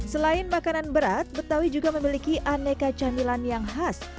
selain makanan berat betawi juga memiliki aneka camilan yang khas